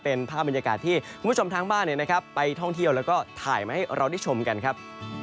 เป็นภาพบรรยากาศที่คุณผู้ชมทางบ้านไปท่องเที่ยวแล้วก็ถ่ายมาให้เราได้ชมกันครับ